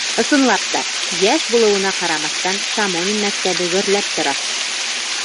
Ысынлап та, йәш булыуына ҡарамаҫтан, Шамонин мәктәбе гөрләп тора.